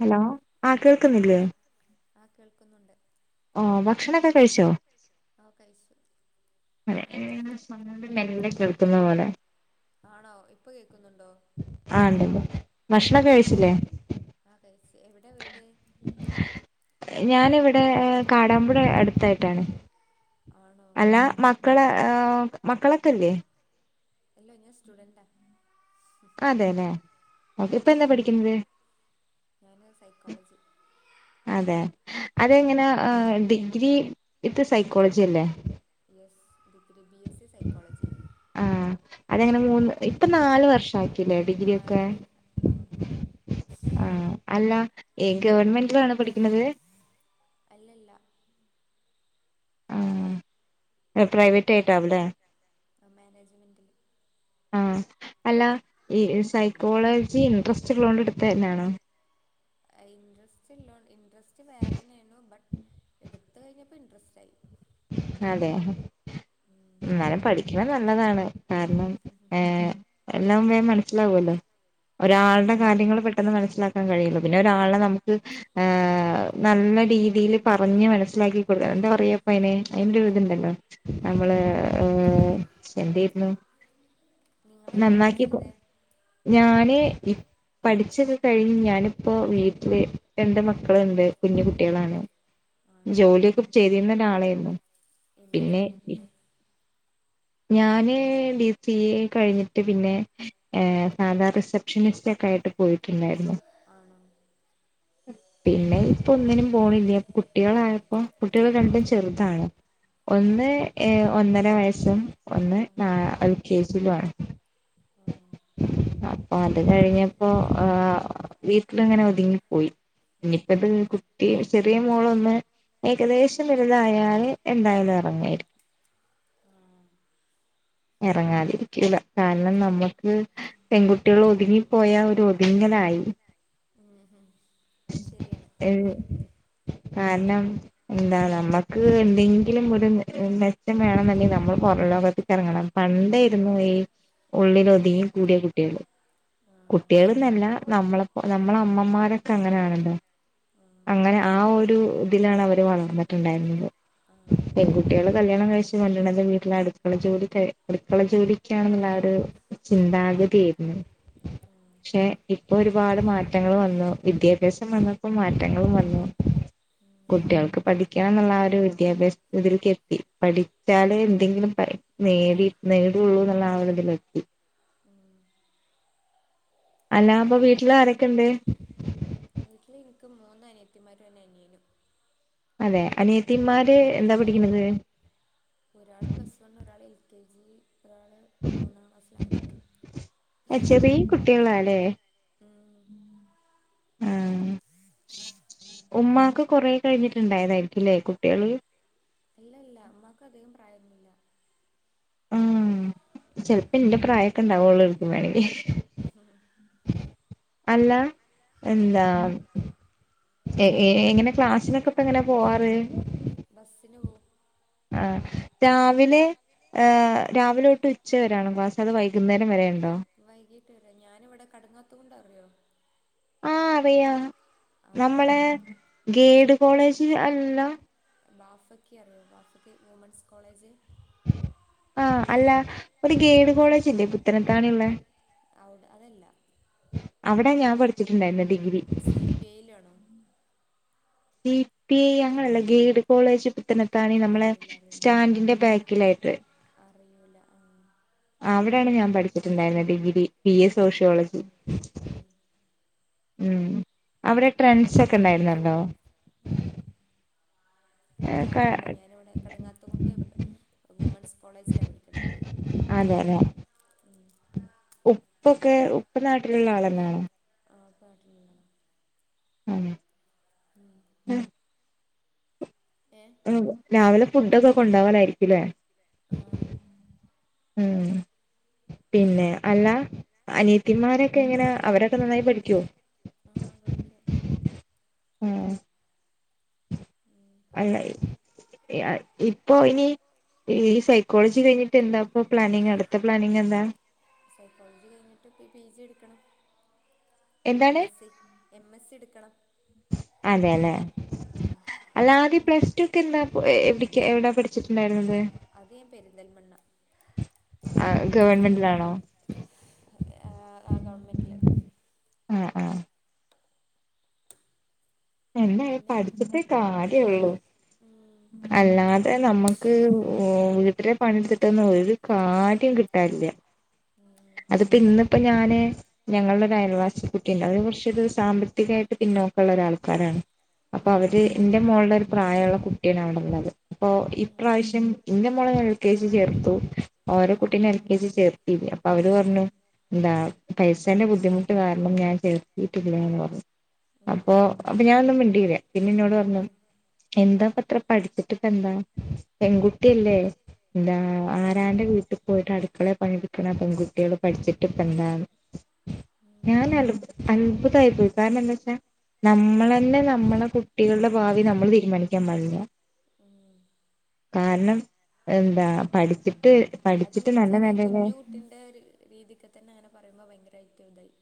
Hello ആഹ് കേൾക്കുന്നില്ലേ ആ ആ കേൾക്കുന്നുണ്ട് [inaudible] ആഹ് ഭക്ഷണൊക്കെ കഴിച്ചോ? ആ കഴിച്ചു മേല്ലേ കേൾക്കുന്നാ പോലെ. ആണോ ഇപ്പൊ കേ ആ ഇണ്ട്‌ ണ്ട്‌ ഭക്ഷണം ആ ഓക്കെ കഴിച്ചില്ലേ ആ കഴിച്ചു എവിടെ വീട് ഞാനിവിടെ കാടാമ്പുഴ അടു ത്തായിട്ടാണ്. ആണോ അല്ല ആ മക്കള് ആഹ്‌ മക്കളോ ക്കെല്ലേ. അല്ലാ ഞാൻ സ്റ്റുഡന്റാ. അതെല്ലെ ആ ഇപ്പ എന്താ പഠിക്കുന്നത്? ഞാൻ സൈക്കോളജി അതെ അതങ്ങനാ ഡിഗ്രി ഇത് സൈക്കോളജി അല്ലേ. [unintelligible] സി സൈക്കോളജി ആഹ്‌ അതങ്ങനെ ഉം. മൂന്ന് ഇപ്പൊ നാല് വർഷം ആക്കില്ലേ ഡിഗ്രി ആ ഒക്കെ അതിന ആ ആഹ്‌. അല്ല. ഏ ഗവൺമെന്റിലാണ് പഠിക്കുന്നത്. അല്ലല്ല ആ പ്രൈവ സ്റ്റേറ്റാവല്ലേ മാനേജ്മെൻറ്റിൽ ആഹ്‌. അല്ല ഈ സൈക്കോളജി ഇൻട്രസ്റ്റ്ള്ളൊണ്ട് എടുത്തന്നെയാണോ? ഇൻട്രസ്റ്റ് ഇല്ലോണ്ട് ഇൻട്രസ്റ്റ് വേറെ തന്നെയെണു ആ ബട്ട് എടുത്ത് കഴിഞ്ഞപ്പോ ഇൻട്രസ്റ്റ് ആയി. അതെ ഉം. എന്നാലും പഠിക്കണം. നല്ലതാണ്. കാരണം ഏഹ്‌ എല്ലാം മനസ്സിലാവുല്ലോ. ഓ ഓ ഒരാളുടെ കാര്യങ്ങൾ പെട്ടെന്ന് മനസ്സിലാക്കാൻ ക്കാൻ കഴിയുള്ളൂ പിന്നെ ഒരാളെ നമുക്ക് നല്ല രീതിയില് പറഞ്ഞ് മനസ്സിലാക്കി കൊടുക്കാം എന്താ പറയാ അയിനെ അയിന്റെ ഇതുണ്ടല്ലോ നമ്മള് ഏർ എന്തെരുന്നു. നിങ്ങളെന്താ നന്നാക്കിപ്പോ പഠിച്ചത് ഞാന് ഈ പഠിച്ചൊക്കെ കഴിഞ്ഞ് ഞാനിപ്പോ വീട്ടില് രണ്ട് മക്കളുണ്ട്. കുഞ്ഞു കുട്ടികളാണ് ആണോ ജോലിയൊക്കെ ചെയ്തിരുന്ന ആളാരുന്നു എന്താ പിന്നെ ജോലി ചെയ്തിരുന്നെ ഞാന് ഡി സി എ കഴിഞ്ഞിട്ട് പിന്നെ സാധാ റിസപ്ഷനിസ്റ്റ് ഒക്കെ ആയിട്ട് പോയി ഉണ്ടായിരുന്നു. ആണോ പിന്നെ ഇപ്പൊ ഒന്നിനും പോണില്ല. അപ്പൊ കുട്ടികളായപ്പോ കുട്ടികൾ രണ്ടും ചെറുതാണ്. ഒന്ന് ഏ ഒന്നര വയസ്സ് ആഹ്. ഒന്ന് വയസ്സും ആ അത് യു കെ ജി. ലാണ്. ആണോ. അപ്പൊ അത് കഴിഞ്ഞപ്പോ ആർ വീട്ടിലിങ്ങനെ ഒതുങ്ങിപ്പോയി. ഇനിയിപ്പോ ഇത് ആ അത് കുട്ടി ചെറിയ മോളൊന്ന് ഏകദേശം വലുതായാല് വലുതായാണ് എന്തായാലും എന്നാണ് ഇറങ്ങായിരിക്കും. പറഞ്ഞത്. ആ ഇറങ്ങാതിരിക്കൂല. കാരണം നമ്മുക്ക് പെൺകുട്ടികൾ ഒതുങ്ങിപ്പോയാ ഒരു ഒതുങ്ങലായി. ഉം ഹ അത് ശരിയാണ് ഏഹ് കാരണം എന്താ നമ്മുക്ക് എന്തെങ്കിലും ഒരു മെച്ചം വേണെന്നണ്ടെങ്കിൽ നമ്മൾ പുറ ലോകത്തി ഇറങ്ങണം പണ്ടായിരുന്നു ഈ ഉള്ളില ഒതിങ്ങി കൂടിയ കുട്ടികൾ ആ കുട്ടികൾന്നല്ല നമ്മളപ്പോ നമ്മളെ അമ്മമാരൊക്കെ അങ്ങനൊണണ്ടോ ആ അങ്ങനെ ആ ഒരു ഇതിലാണ് അവര് വളർന്നിട്ടുണ്ടായിരുന്നത്. ആ ആ പെൺകുട്ടികൾ കല്യാണം കഴിച്ച് കൊണ്ടന്നത് വീട്ടിലടുക്ക ക്ക ജോലി അടുക്കള ജോലിക്കാണെന്നുള്ള ഒരു ചിന്താഗതിയയിരുന്നു. ഉം ഉം പക്ഷെ ഇപ്പൊ ഒരുപാട് മാറ്റങ്ങൾ വന്നു വിദ്യാഭ്യാസം വന്നപ്പോ മാറ്റങ്ങളും വന്നു കുട്ടികൾക്ക് പഠിക്കണംന്നുള്ള ഒരു വിദ്യാഭ്യാസ ഇതിൽക്ക് എത്തി. പഠിച്ചാല് എന്തെങ്കിലും നേടി നേടള്ളൂ എന്നുള്ള ആ ഒരു ത്തിലെത്തി അല്ലാ അപ്പൊ വീട്ടില് ആരൊക്കെ ഉണ്ട്. വീട്ടില് എനിക്ക് മൂന്ന അനിയത്തിമാരും ഒരു അനിയനു അതെ അനേത്തിന്മാര് എന്താ പഠിക്കണത്. ഒരാൾ പ്ലസ് വൺ ഒരാൾ എൽ കെ ജി.. ല് അ ചെറിയ കുട്ടികളല്ലേ ഉം ആഹ ഉമാക്ക് കൊറെ കഴിഞ്ഞിട്ടുണ്ടായതായിരിക്കുംല്ലേ കുട്ടികള് ഇല്ല ഇല്ല ഉമ്മമാക്ക് അതികം ണ്ടായിരുന്നില്ല ഉം ചിലപ്പോ എന്റെ പ്രായക്കെ ഇണ്ടാവുള്ളൂ. [unintelligible] ഇ അല്ല എന്താ എങ്ങനെ ക്ലാസിനൊക്കെ ഇപ്പ എങ്ങനെ പോവാറ്. ബസിന് പോവും. ആ രാവിലെ രാവിലോട്ട് ഉച്ചവരാണ് ക്ളാസ് അതോ വൈകുന്നേരം വരെണ വൈകീട്ട് വരാ ഞാനിവിടെ കടങ്ങാത്ത കൊണ്ട് അറിയോ ആഹ അയാ അവിടെയാണ് നമ്മളെ ഗേട് കോളേജ് അല്ല ബാഫക്കി അറിയോ ബാഫക്കി വുമൻസ് കോളേജ്. ആ അല്ല ഒരു ഗേഡ് കോളേജ്ല്ലേ പുത്തനത്താണി ള്ളേ ഔടെ അതല്ല അവിടാ ഞാൻ പഠിച്ചിട്ടുണ്ടായിരുന്നു. ഡിഗ്രി സി പി ഐയിലാണ സി പി ഐ അങ്ങനല്ല ഗൈഡ് കോളേജ് പുത്തനത്താണി ണി നമ്മളെ അറിയില്ല അറിയില്ല സ്റ്റാൻഡിന്റെ ബാക്കിലായിട്ട് അറിയൂല ആഹ് അവിടെയാണ് ഞാൻ പഠിച്ചിട്ടുണ്ടായിരുന്ന ഡിഗ്രി പി എ സോഷ്യോളജി ഉം ഉം അവരെ ട്രൻസ് ഒക്കെ ഉണ്ടായിരുന്നല്ലോ ഉം എനിക്കറിയൂല ഞാനവിടെ കടങ്ങാത്ത കൊണ്ട് വുമൻസ് കോളേജിലാ പഠിക്കണേ അതെല്ലെ [unintelligible] ഉപ്പ്നാട്ടിലുള്ള ആളല്ലേ വാപ്പ നാട്ടിലുള്ളതാ [unintelligible] ഉം ഏഹ് ആ രാവിലെ ഫുഡ് സ കൊണ്ടാവാനായിരിക്കൂലേ ആഹ് ഉം പിന്നെ അല്ല ഉം അനീയത്തിമാരൊക്കെ എങ്ങന അവരൊക്കെ നന്നായി പഠിക്കോ ആഹ് പഠിക്കാ ഉം ഉം അല്ല ഇപ്പൊ ഇനി ഈ സൈക്കോളജി കഴിഞ്ഞിട്ട് എന്താ ഇപ്പ പ്ലാനിങ് അടുത്ത പ്ലാനിങ് എന്താ സൈക്കോളജി കഴിഞ്ഞിട്ട് പി ജി എടുക്കണം എം എന്താണ് S C, M S C എടുക്കണം അതെല്ലെ [unintelligible] എന്നാ എവി എവിടാ പഠിച്ചിട്ടുണ്ടായിരുന്നത് അത് ഞാൻ പെരിന്തൽമണ്ണ ആ ഗവൺമെന്റിലാണോ ആ ഗവൺമെന്റില് ആഹ് ആഹ് എന്നെ പിന്നെ [unintelligible] കാ [unintelligible] അല്ലാതെ നമ്മുക്ക് വീട്ടിലെ പണിയെടുത്തിട്ടന്നെ ഒരു കാര്യം കിട്ടാൻ ഇല്ല അതിപ്പോ ഇന്നിപ്പോ ഞാന് ഞങ്ങടെ ഒരു അയൽവാസി കുട്ടിയുണ്ട് അതിനെ കുറചൊരു സാമ്പത്തികായിട്ട് പിന്നോക്ക ഉള്ള ഒരാൾക്കാരാണ് അപ്പൊ ഉം അവര് എന്റെ മോള്ടെ ഒരു പ്രായമുള്ള കുട്ടിയാണ് അവിടെള്ളത് അപ്പൊ ഈ ഉം പ്രാവശ്യം ഇന്റെ മോള ഞാൻ എൽ കെ ജി ചേർത്തു ഓര കുട്ടീനെ എൽ കെ ജി ചേർത്തില്ല അവര് പറഞ്ഞു എന്താ പൈസന്റെ ബുദ്ധിമുട്ട് കാരണം ഞാൻ ചേർത്തിട്ടില്ലന്ന് പറഞ്ഞു ഉം അപ്പൊ അപ്പൊ ഞാനൊ മിണ്ടീല പിന്നെ എന്നോട് പറഞ്ഞു എന്താ പ അത്ര പഠിച്ചിട്ട് ഇപ്പ എന്താ പെൺകുട്ടിയല്ലേ എന്താ ആരാന്റെ വീട്ടിൽ പോയിട്ട് അടുക്കള പണിയെടുക്കണ പെൺകുട്ടികള് പഠിച്ചിട്ട്പ്പന്താന്നു ഉം ഞാൻ അത് അത്ഭു തായിപ്പോയി കാരണം എന്താ വച്ചാ നമ്മള് തന്നെ നമ്മളെ കുട്ടികളുടെ ഭാവി നമ്മൾ തീരുമാനിക്കാൻ പാടില്ല ഉം കാരണം എന്താ പഠിപ്പി ട്ട് പഠിച്ചിട്ട് നല്ല നെലേല് രീതിക്കെ തന്നെ അങ്ങനെ പറയുമ്പോ ഭയങ്കരായിട്ട് തായി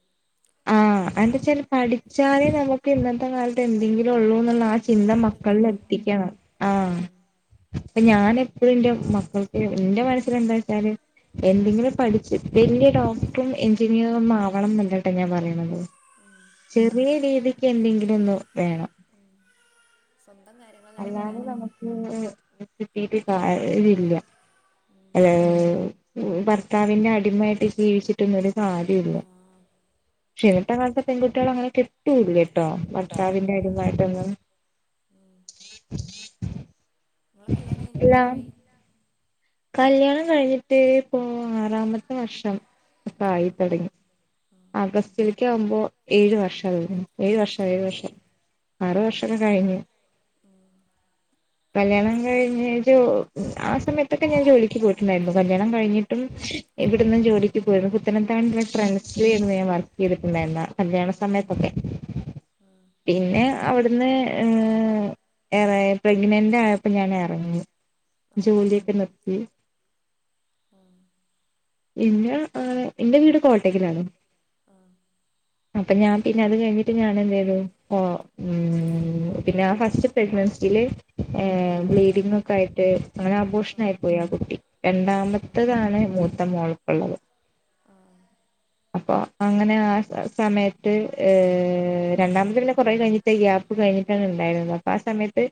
എന്താച്ചാല് പഠിച്ചാലേ നമുക്ക് ഇന്നത്തെ കാലത്ത് എന്തെങ്കിലും ഒള്ളൂ ആ ചിന്ത ജീവിക്കാൻ മക്കളിൽ പറ്റുള്ളൂ എത്തിക്കണം ആ ഉം പ്പൊ ഞാൻ എപ്പഴും ഇന്റെ മക്കൾക്ക് ഇന്റെ മനസില് എന്താച്ചാല് എന്തെങ്കിലും പഠിച്ച് വെല്ല്യെ ഡോക്ടറും എഞ്ചിനീയറും ഒന്നും ആവണംന്നില്ല അ ഞാൻ പറീണത് ഉം ചെറിയ രീതി ക്കെന്തെങ്കിലുംന്ന് വേണം ഉം സ്വന്തം കാര്യങ്ങൾ അല്ലാതെ നടത്താന് നമുക്ക് കിട്ടീട്ട് ആഹ് ഇല്ല ഉം [unintelligible] ത്താവിന്റെ അടിമായിട്ട് ജീവിച്ചിട്ടുന്നുരു കാര്യുല്ല ആ ക്ഷെ ഇന്നത്തെ കാൽത്തെ പെൺകുട്ടികളേ അങ്ങനെ കിട്ടുല്ലേ ട്ടോ ഭർത്താവിന്റെ ആ അടിമായിട്ടൊന്നും [inaudible] ഇങ്ങള കല്യാണം കഴിഞ്ഞിട്ട് എത്രായി കല്യാണം കഴിഞ്ഞിട്ട് പ്പോ ആറാമത്തെ വർഷം ആണോ ആയിത്തൊടങ്ങി ആ അഗസ്റ്റില് ക്യാവുമ്പോ ഏഴു വർഷം വരുന്നത് ഏഴു വർഷം ആ ഏഴു വർഷം ആറ് വർഷൊക്കെ കഴിഞ്ഞു ഉം കല്യാണം കഴിഞ്ഞരു ആ സമയ ത്തൊക്കെഞാ ജോലി ക്ക് പോയിട്ടുണ്ടായിരുന്നു കല്യാണം കഴിഞ്ഞിട്ടും ഇവിടുന്നും ജോലിക്ക് പോയിരുന്നു പുത്തനത്താണിലില്ലേ [unintelligible] ആയിരുന്നു ഞാൻ വർക്ക് ചെയ്തിട്ടുണ്ടായിരുന്ന കല്യാണ സമയത്തൊക്കെ സമയത്തൊക്കെ പിന്നെ അവിട്ന്ന് ഏ എറെ പ്രഗ്നന്റ് ആയപ്പോ ഞാൻ എറങ്ങി ആ ജോലിയൊക്കെ നിർ ഉ [inaudible] ആ പിന്നേ ആ എന്റെ വീട് കോട്ടക്കലാണ് ആ ആ അപ്പ ഞാൻ പിന്നെ അത് കഴിഞ്ഞിട്ട് ഞാൻ എന്തെയ്തു ഉം ഉം പിന്നെ ആ ഫസ്റ്റ് പ്രഗ്നൻസീല് ഹേ ബ്ലീഡിംഗ് ഒക്കെ ആയിട്ട് അങ്ങനെ ആബോഷ് നായി പോയി ആ കുട്ടി ആ രണ്ടാമത്തതാണ് മൂത്ത മോൾ ഇപ്പള്ളത് ആ അപ്പൊ അങ്ങനെ ആ സമയത്ത് ഏ രണ്ടാമത് പിന്നെ കോറെ കഴിഞ്ഞിട്ടെ ഗ്യാപ്പ് കഴിഞ്ഞിട്ടാണ് ഇണ്ടായത് അപ്പൊ ആ സമയത്ത്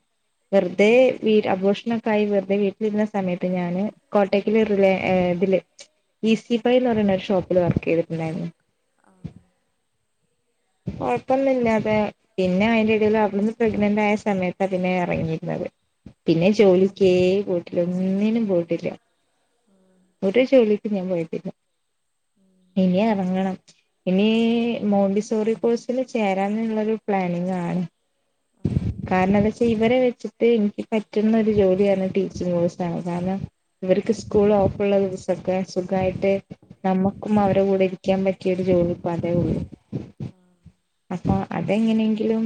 വെർ തേ വി അബോഷനോക്കായി വെർതെ വീട്ടിലിരിന്ന് ഇട്ട് ഞാന് കോട്ടക്കല് റിലേ ഏ ഇതില് [unintelligible] ന്ന് പറയുന്ന ഒരു ഷോപ്പില് വർക്കെയ്തിട്ടുണ്ടായിരുന്നു ആ ആ കൊഴ്പ്പൊന്നുല്ലാതെ പിന്നെ അയിന്റെ എടേല് അവിടുന്ന് പ്രഗ്നന്റ് ആയ സമയത്ത പിന്നെ ഇറങ്ങീര്ന്നത് പിന്നെ ജോലിക്കേ പോയ്ട്ടി ആ ഒന്നിനും പോയിട്ടില്ല ഒരു ജോലിക്കും ഞാൻ പോയിട്ടില്ല ഉം ഇനിയെറങ്ങണം ഇനീ ആഹ് മോണ്ടി സോറി കോഴ്സിൽ ചേരാന്നുള്ളരു പ്ലാനിങ് ആണ് ആഹ് കാരണം ന്താച്ചാ ഇവരെ വെച്ചിട്ട് എനിക്ക് പറ്റുന്ന ഒരു ജോലിയരുന്നു ടീ ചോയിസാണ് കാരണം ഇവർക്ക് കാരണം സ്കൂൾ ഓഫ്ള്ള സുഖായിട്ട് നമ്മുക്കും അവരെ കൂടെ ഇരിക്കാൻ പറ്റിയരു ജോലിപ്പ അതേ ഉള്ളൂ പറ്റും അപ്പൊ അതെങ്ങനെങ്കിലും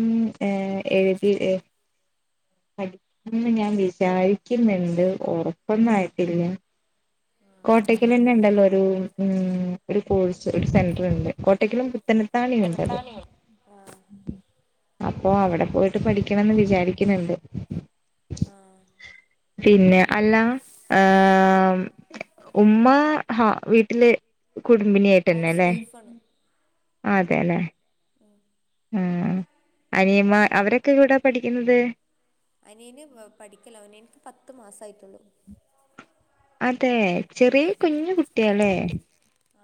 ഏർ എഴുതി പഠിക്കണംന്ന് ഞാൻ വിചാരിക്കുന്നുണ്ട് ഉറപ്പൊന്നായിട്ടില്ല കോട്ടക്കൽ തന്നെ ഉണ്ടല്ലോ ഒരു ഉ ഒരു കോഴ്സ് ഒരു സെന്റർ ഉണ്ട് കോട്ടക്കിലും പത്തനത്താണി ണ്ടത് ആഹ് അപ്പൊ അവിടെ പോയിട്ട് പഠിക്കണംന്ന് വിചാരിക്കുന്നുണ്ട് ആഹ് പിന്നെ അല്ല ഏഹ ഉമ്മ ഹ വീട്ടില് കുടുംബിനിയായിട്ടന്നെ ഹൗസ് ല്ലേ വൈഫാണ് ആ അതെലെ ഉം ഉ അനിയമ്മ അവരൊക്കെ ഇൂടാ പഠിക്കുന്നത് അനിയന് പഠിക്കലാ അവന് എനിക്ക് പത്ത് മാസ ആയിട്ടുള്ളൂ അതെ ചെറി കുഞ്ഞ് കുട്ടിയാലേ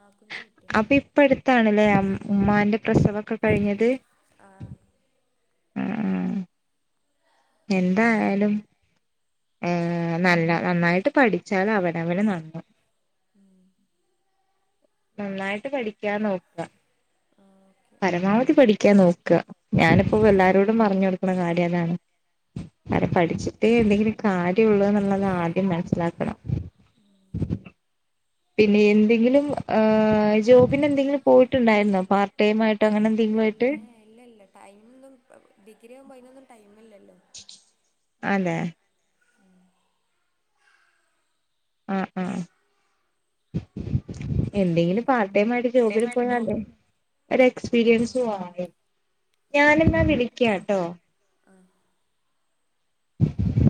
ആഹ് കുഞ്ഞു കുട്ടിയ അപ്പൊ ഇപ്പ അടുത്താണല്ലേ അം ഉമ്മാന്റെ പ്രസവൊക്കെ കഴിഞ്ഞത് ആ ഉം ഉം എന്തായാലും ഏ ഉം നല്ല നന്നായിട്ട് പഠിച്ചാൽ അവനവന് നന്ന് ഉം നന്നായിട്ട് പഠിക്കാ നോക്കാ ആഹ് ഓക്കെ പരമാവധി പഠിക്കാൻ നോക്കുക ഞാനിപ്പോ എല്ലാവരോടും പറഞ്ഞു കൊടുക്കുന്ന കാര്യം അതാണ് അവരെ ഉം പഠിച്ചിട്ടേ എന്തെങ്കിലും കാര്യ ഉള്ളൂ എന്നുള്ളതാ ആദ്യം മനസ്സിലാക്കണം ഉം പിന്നെ എന്തെങ്കിലും ഏ ജോബിന് എന്തെങ്കിലും പോയിട്ടുണ്ടായിരുന്നോ പാർട്ട് ടൈം ആയിട്ടോ അങ്ങനെ എന്തെങ്കിലും ഇല്ല ആയിട്ട് ഏ ഇല്ല ഇല്ല ടൈം ഇല്ലല്ലോ അതെ ആഹ് ആഹ് എന്തെങ്കിലും പാർട്ട് ടൈം ആയിട്ട് ജോബിന് പോയാല്ലേ ഒരു എക്സ്പീരിയൻസും ആഹ് ആവും ഞാൻ ഏ എന്നാ വിളിക്കാട്ടോ ആഹ്